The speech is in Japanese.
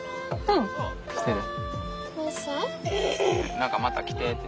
何かまた来てって。